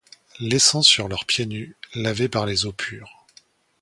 Laissant sur leurs pieds nus, lavés par les eaux pures